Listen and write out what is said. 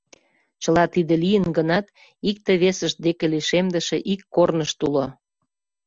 Чыла тиде лийын гынат, икте-весышт деке лишемдыше ик корнышт уло.